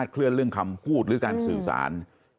เคลื่อนเรื่องคำพูดหรือการสื่อสาร